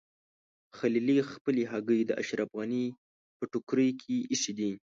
خلیلي خپلې هګۍ د اشرف غني په ټوکرۍ کې ایښي دي.